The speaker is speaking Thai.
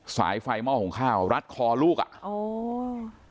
สายไฟเมาะของข้าวรัดคอลูกอ่ะ